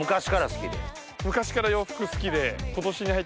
昔から洋服好きで。